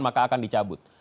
maka akan dicabut